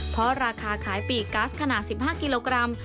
เพราะราคาขายปีกกัสขนาด๑๕กิโลกรัม